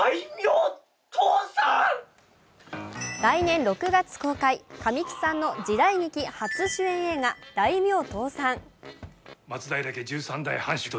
来年６月公開、神木さんの時代劇初主演映画「大名倒産」。